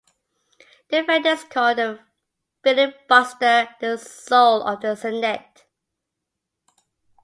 Defenders call the filibuster The Soul of the Senate.